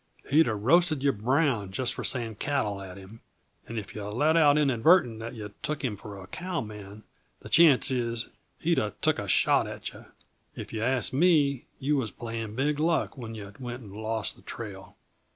He'd uh roasted yuh brown just for saying cattle at him and if yuh let out inadvertant that yuh took him for a cowman, the chances is he'd a took a shot at yuh. If yuh ask me, you was playin' big luck when yuh went and lost the trail."